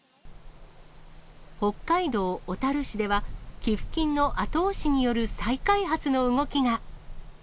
北海道小樽市では、寄付金の後押しによる再開発の動きが。